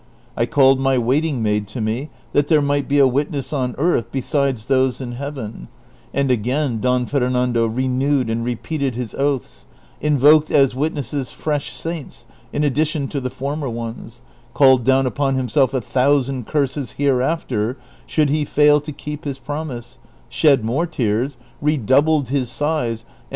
I called my waiting maid to me, that there might be a witness on earth besides those in heaven, and again Don Fernando renewed and repeated his oaths, invoked as witnesses fresh saints in addition to the former ones, called doAvn upon himself a thousand curses hereafter should he fail to keep his promise, shed more tears, redoubled his sigiis ant!